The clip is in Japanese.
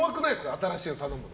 新しいの頼むの。